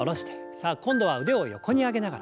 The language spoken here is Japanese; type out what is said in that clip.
さあ今度は腕を横に上げながら。